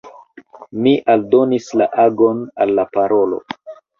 Mi aldonis la agon al la parolo.